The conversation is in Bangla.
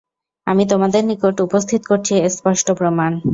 আমি তোমাদের নিকট উপস্থিত করছি স্পষ্ট প্রমাণ।